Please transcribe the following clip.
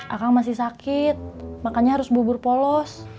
akang masih sakit makannya harus bubur polos